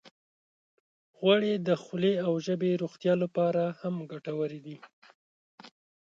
غوړې د خولې او ژبې روغتیا لپاره هم ګټورې دي.